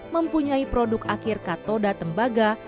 mempunyai produk akhir katoda tembaga